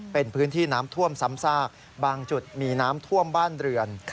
เป็นพื้นที่น้ำท่วมซ้ำซากบางจุดมีน้ำท่วมบ้านเรือน